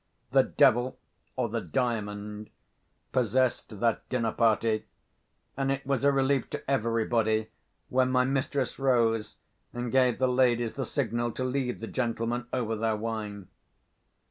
The Devil (or the Diamond) possessed that dinner party; and it was a relief to everybody when my mistress rose, and gave the ladies the signal to leave the gentlemen over their wine.